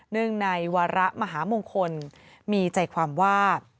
ในวาระมหามงคลมีใจความว่า